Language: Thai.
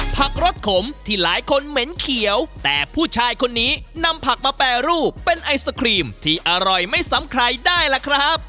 รสขมที่หลายคนเหม็นเขียวแต่ผู้ชายคนนี้นำผักมาแปรรูปเป็นไอศครีมที่อร่อยไม่ซ้ำใครได้ล่ะครับ